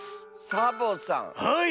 サボさんはい。